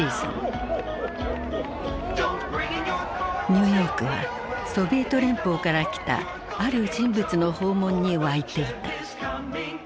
ニューヨークはソビエト連邦から来たある人物の訪問に沸いていた。